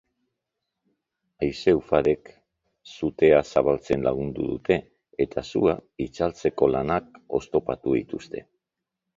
Haize-ufadek sutea zabaltzen lagundu dute eta sua itzaltzeko lanak oztopatu dituzte.